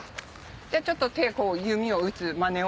ちょっと手弓を打つまねを。